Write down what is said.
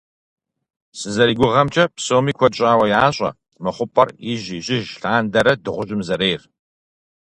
СызэригугъэмкӀэ, псоми куэд щӀауэ ящӀэ мы хъупӀэр ижь-ижьыж лъандэрэ дыгъужьым зэрейр.